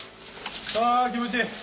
あぁ気持ちいい！